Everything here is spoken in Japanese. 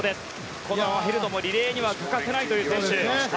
このヘルドも、リレーには欠かせないという選手。